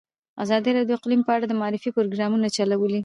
ازادي راډیو د اقلیم په اړه د معارفې پروګرامونه چلولي.